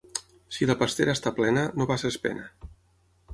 Si la pastera està plena, no passis pena.